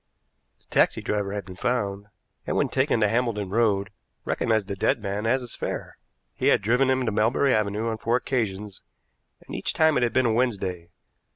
The taxi driver had been found, and, when taken to Hambledon Road, recognized the dead man as his fare. He had driven him to Melbury Avenue on four occasions, and each time it had been a Wednesday.